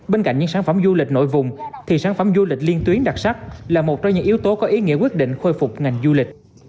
bên cạnh những sản phẩm du lịch nội vùng thì sản phẩm du lịch liên tuyến đặc sắc là một trong những yếu tố có ý nghĩa quyết định khôi phục ngành du lịch